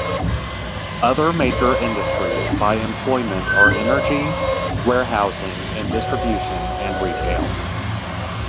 Other major industries by employment are energy, warehousing and distribution, and retail.